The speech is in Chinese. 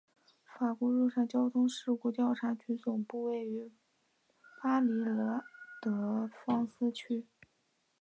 法国陆上交通事故调查局总部位于巴黎拉德芳斯区。